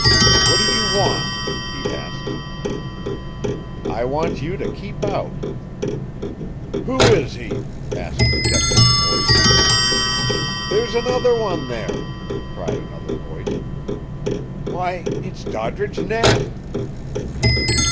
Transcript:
"What do you want?" he asked. "I want you to keep out." "Who is he?" asked Decker's voice. "There's another one there," cried another voice. "Why, it's Doddridge Knapp!"